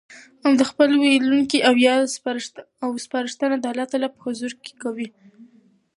او د خپل ويلوونکي ياد او سپارښتنه د الله تعالی په حضور کي کوي